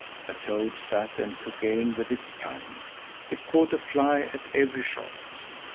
A toad sat and took aim with its tongue. It caught a fly at every shot.